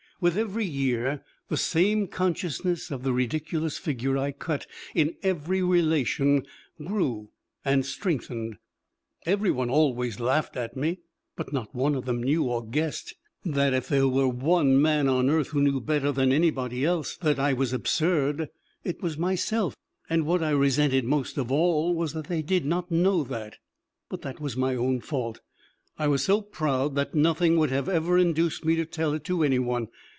With every year the same consciousness of the ridiculous figure I cut in every relation grew and strengthened. Every one always laughed at me. But not one of them knew or guessed that if there were one man on earth who knew better than anybody else that I was absurd, it was myself, and what I resented most of all was that they did not know that. But that was my own fault; I was so proud that nothing would have ever induced me to tell it to any one.